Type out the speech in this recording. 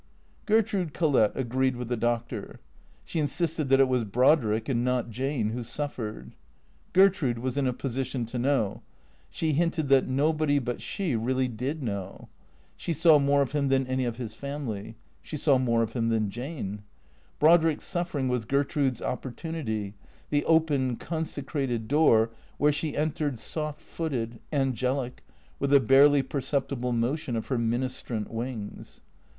Gertrude Collett agreed with the Doctor. She insisted that it was Brodrick and not Jane who suffered. Gertrude was in a position to know. She hinted that nobody but she really did know. She saw more of him than any of his family. She saw more of him than Jane. Brodrick's suffering was Gertrude's opportunity, the open, consecrated door where she entered soft footed, angelic, with a barely perceptible motion of her ministrant wings.